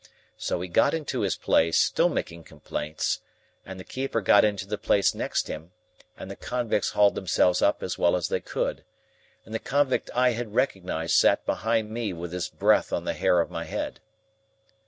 So he got into his place, still making complaints, and the keeper got into the place next him, and the convicts hauled themselves up as well as they could, and the convict I had recognised sat behind me with his breath on the hair of my head.